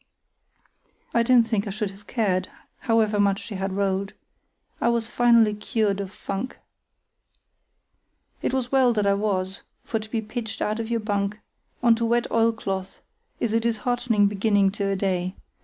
I don't think I should have cared, however much she had rolled. I was finally cured of funk. It was well that I was, for to be pitched out of your bunk on to wet oil cloth is a disheartening beginning to a day.